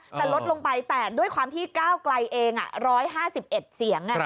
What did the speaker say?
ลดลงไปแต่ด้วยความที่ก้าวไกลเอง๑๕๑เสียง